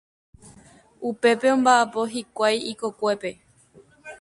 Upépe omba'apo hikuái ikokuépe.